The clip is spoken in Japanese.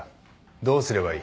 どうすればいい？